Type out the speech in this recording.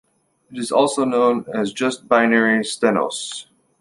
It is also known as just binary stenosis.